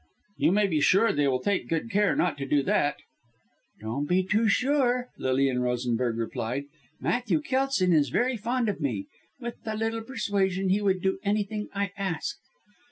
"You may be sure they will take good care not to do that." "Don't be too sure," Lilian Rosenberg replied. "Matthew Kelson is very fond of me. With a little persuasion he would do anything I asked."